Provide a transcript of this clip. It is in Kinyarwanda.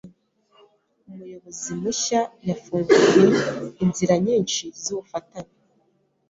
Umuyobozi mushya yafunguye inzira nyinshi zubufatanye.